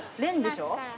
蓮でしょ？